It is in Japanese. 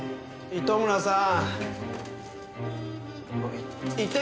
糸村さん！